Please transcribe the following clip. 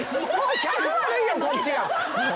１００悪いよこっちが。